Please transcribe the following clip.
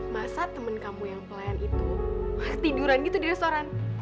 masa temen kamu yang pelayan itu tiduran gitu di restoran